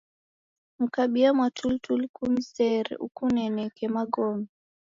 Mkabie mwatulituli kumzere ukuneneke magome